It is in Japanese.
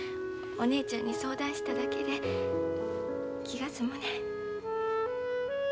お姉ちゃんに相談しただけで気が済むねん。